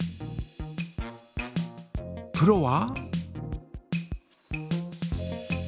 プロは？